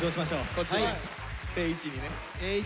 こっちね定位置にね。